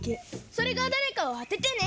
それがだれかをあててね。